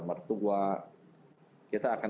mertua kita akan